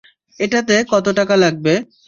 এটাতে কত টাকা লাগবে?